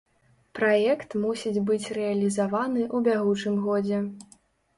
Праект мусіць быць рэалізаваны ў бягучым годзе.